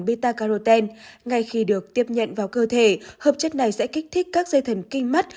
bita caroten ngay khi được tiếp nhận vào cơ thể hợp chất này sẽ kích thích các dây thần kinh mắt